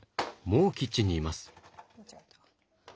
もうキッチンにいます。